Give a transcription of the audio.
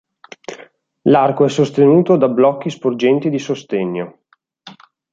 L'arco è sostenuto da blocchi sporgenti di sostegno.